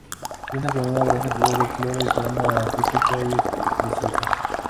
Cuenta con una gran cantidad de flora y fauna típica y exclusiva.